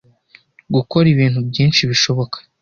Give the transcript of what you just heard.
Gukora ibintu byinshi bishoboka